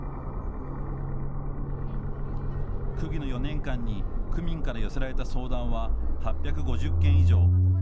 区議の４年間に区民から寄せられた相談は８５０件以上。